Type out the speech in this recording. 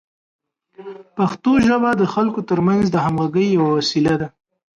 پښتو ژبه د خلکو ترمنځ د همغږۍ یوه وسیله ده.